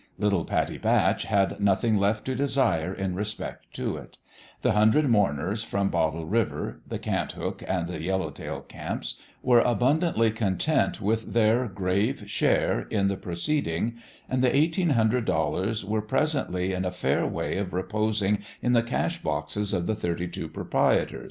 Little Pat tie Batch had nothing left to desire in respect to it; the hundred mourners from Bottle River, the Cant hook and the Yellow Tail camps, were abundantly content with their grave share in the proceeding, and the eighteen hundred dollars were presently in a fair way of reposing in the cash boxes of the thirty two proprietors.